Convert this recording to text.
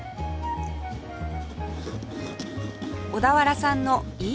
小田原産のい